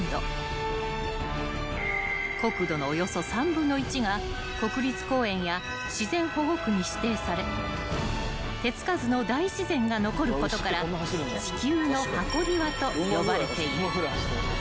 ［国土のおよそ３分の１が国立公園や自然保護区に指定され手つかずの大自然が残ることから地球の箱庭と呼ばれている］